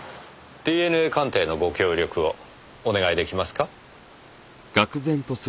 ＤＮＡ鑑定のご協力をお願いできますか？